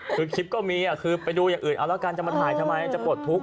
คุณคลิปก็มีคือไปดูอย่างอื่นเอาระกันจำมันทายจะปลอดพลุก